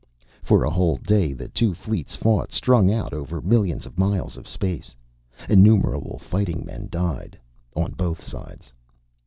For a whole day the two fleets fought, strung out over millions of miles of space. Innumerable fighting men died on both sides.